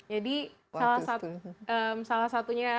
jadi salah satunya